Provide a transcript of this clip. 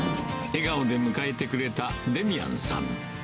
笑顔で迎えてくれたデミアンさん。